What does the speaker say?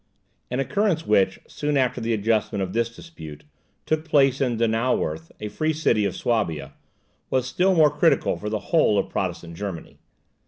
An occurrence which, soon after the adjustment of this dispute, took place in Donauwerth, a free city of Suabia, was still more critical for the whole of Protestant Germany.